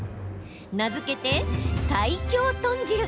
名付けて、最強豚汁。